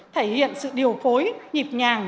thể hiện sự điều phối nhịp nhàng